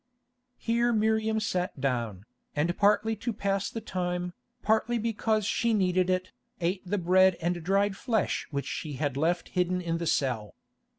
Here Miriam sat down, and partly to pass the time, partly because she needed it, ate the bread and dried flesh which she had left hidden in the cell.